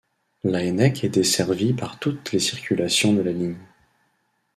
Laënnec est desservie par toutes les circulations de la ligne.